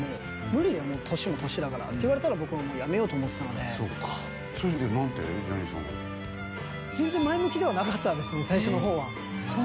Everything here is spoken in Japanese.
「無理だよもう年も年だから」って言われたら僕はもう辞めようと思ってたのでその時は全然前向きではなかったですね